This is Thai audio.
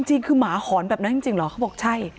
จริงคือหมาหอนแบบนั้นจริงเหรอเขาบอกใช่